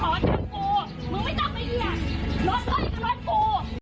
ร้อนเฮ้ยก็ร้อนกู